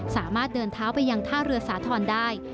สามารถเดินเท้าไปยังท่าเรือสาธรณ์ได้